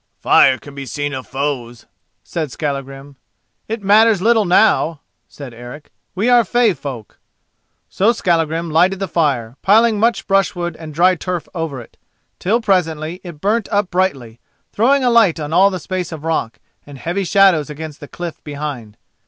"Fire can be seen of foes," said Skallagrim. "It matters little now," said Eric, "we are feyfolk." So Skallagrim lighted the fire, piling much brushwood and dry turf over it, till presently it burnt up brightly, throwing light on all the space of rock, and heavy shadows against the cliff behind.